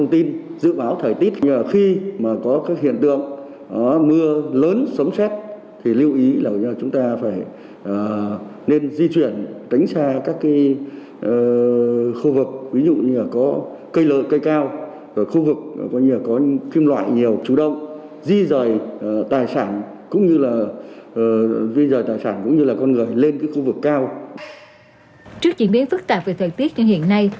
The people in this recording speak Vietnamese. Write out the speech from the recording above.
trước chuyển biến phức tạp về thời tiết như hiện nay